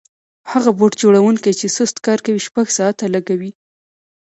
هغه بوټ جوړونکی چې سست کار کوي شپږ ساعته لګوي.